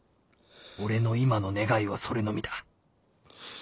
俺の今の願いはそれのみだ。